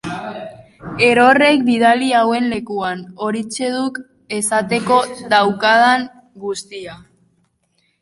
Herorrek bidali huen lekuan... horixe duk esateko daukadan guztia.